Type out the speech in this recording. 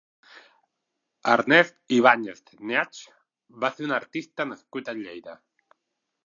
Ernest Ibàñez Neach va ser un artista nascut a Lleida.